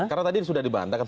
karena tadi sudah dibantahkan